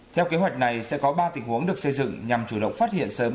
theo kế hoạch này sẽ có ba tình huống được xây dựng nhằm chủ động phát hiện sớm